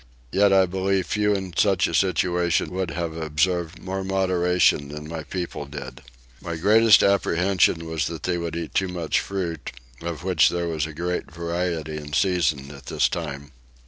Yet I believe few in such a situation would have observed more moderation than my people did. My greatest apprehension was that they would eat too much fruit, of which there was great variety in season at this time.